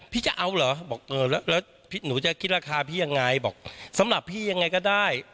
พี่จะเอาเหรอบอกเออแล้วหนูจะคิดราคาพี่ยังไงบอกสำหรับพี่ยังไงก็ได้